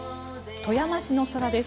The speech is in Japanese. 富山市の空です。